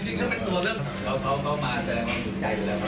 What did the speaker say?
จริงนี่เป็นตัวเรื่องเรามาแสดงความสุขใจอยู่แล้วครับ